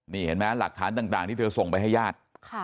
นี่เห็นไหมหลักฐานต่างที่เธอส่งไปให้ญาติ